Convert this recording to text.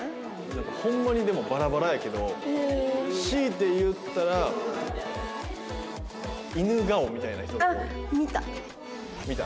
ホンマにでもバラバラやけど強いて言ったらあっ見た。